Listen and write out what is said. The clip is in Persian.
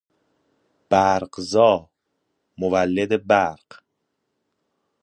برقزا، مولد برق